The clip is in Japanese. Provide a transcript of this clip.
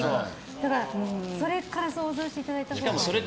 だから、それを想像していただいたほうが。